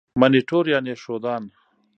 منیټور یعني ښودان.